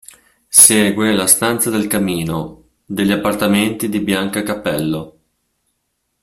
Segue la "stanza del Camino" degli appartamenti di Bianca Cappello.